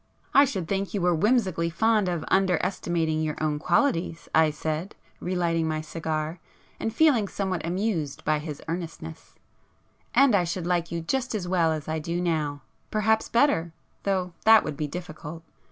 "I should think you were whimsically fond of [p 63] under estimating your own qualities"—I said, re lighting my cigar, and feeling somewhat amused by his earnestness—"And I should like you just as well as I do now,—perhaps better,—though that would be difficult."